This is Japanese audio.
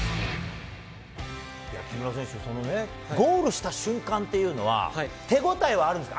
木村選手、ゴールした瞬間っていうのは、手応えはあるんですか？